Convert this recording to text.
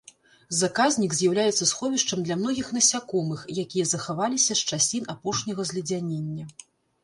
Заказнік з'яўляецца сховішчам для многіх насякомых, якія захаваліся з часін апошняга зледзянення.